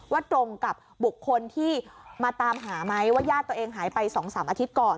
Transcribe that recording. ว่าตรงกับบุคคลที่มาตามหาไหมว่าญาติตัวเองหายไป๒๓อาทิตย์ก่อน